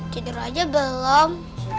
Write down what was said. tidur aja belum